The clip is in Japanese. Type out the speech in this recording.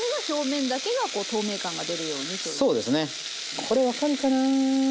これ分かるかな。